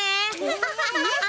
ハハハハハ。